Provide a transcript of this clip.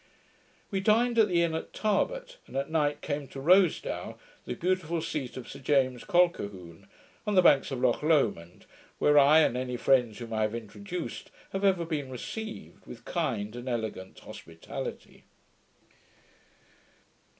We dined at the inn at Tarbat, and at night came to Rosedow, the beautiful seat of Sir James Colquhoun, on the banks of Lochlomond, where I, and any friends whom I have introduced, have ever been received with kind and elegant hospitality.